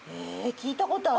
聞いたことある。